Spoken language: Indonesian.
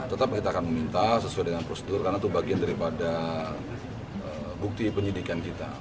tetap kita akan meminta sesuai dengan prosedur karena itu bagian daripada bukti penyidikan kita